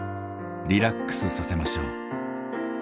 リラックスさせましょう。